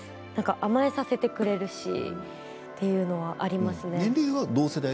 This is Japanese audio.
甘えさせてくれるしというのはありますね。